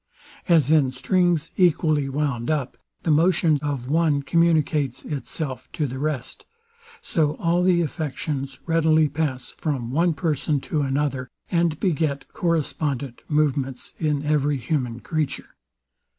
As in strings equally wound up, the motion of one communicates itself to the rest; so all the affections readily pass from one person to another, and beget correspondent movements in every human creature.